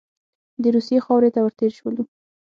د روسیې خاورې ته ور تېر شولو.